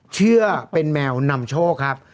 เชื่อเป็นแมวนำโชคครับ